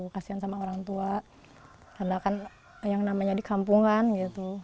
kasian sama orang tua karena kan yang namanya di kampung kan gitu